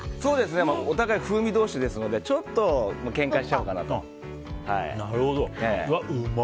お互い風味同士ですのでちょっとけんかしちゃうかなと。